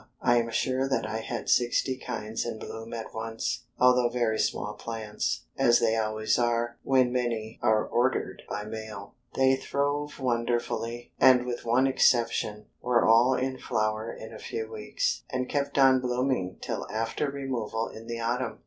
I am sure that I had sixty kinds in bloom at once. Although very small plants, as they always are when many are ordered by mail, they throve wonderfully, and with one exception, were all in flower in a few weeks, and kept on blooming till after removal in the autumn.